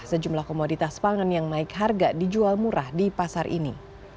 sejumlah komoditas pangan yang naik harga dijual murah di pasar ini